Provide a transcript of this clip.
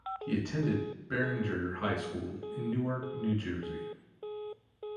He attended Barringer High School in Newark, New Jersey.